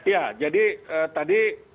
ya jadi tadi